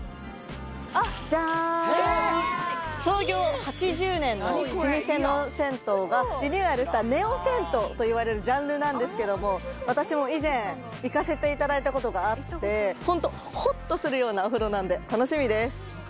じゃーん創業８０年の老舗の銭湯がリニューアルしたネオ銭湯といわれるジャンルなんですけども私も以前行かせていただいたことがあってホント「ほっ」とするようなお風呂なんで楽しみです